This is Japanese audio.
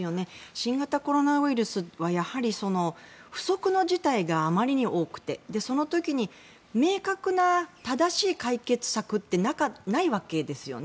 新型コロナウイルスはやはり不測の事態があまりに多くてその時に明確な正しい解決策ってないわけですよね。